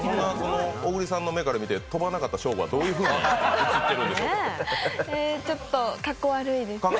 小栗さんの目からみて飛ばなかったショーゴはどういうふうに見えてるんでしょうか。